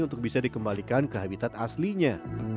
untuk bisa dikembalikan ke habitat aslinya